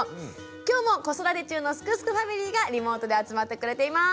今日も子育て中のすくすくファミリーがリモートで集まってくれています！